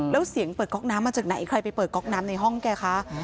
แล้วเสียงเปิดก๊อกน้ำมาจากไหนใครไปเปิดก๊อกน้ำในห้องแกคะ